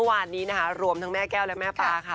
วันนี้นะคะรวมทั้งแม่แก้วและแม่ปลาค่ะ